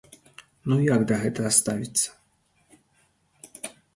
Ну як да гэтага ставіцца?